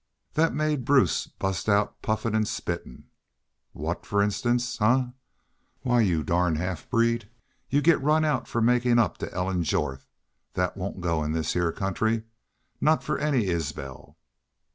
"Thet made Bruce bust out puffin' an' spittin': 'Wha tt, fer instance? Huh! Why, y'u darn half breed, y'u'll git run out fer makin' up to Ellen Jorth. Thet won't go in this heah country. Not fer any Isbel.'